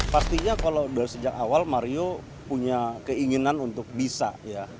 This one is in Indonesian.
pastinya kalau dari sejak awal mario punya keinginan untuk bisa ya